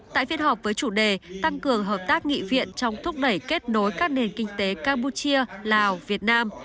tại phiên họp với chủ đề tăng cường hợp tác nghị viện trong thúc đẩy kết nối các nền kinh tế campuchia lào việt nam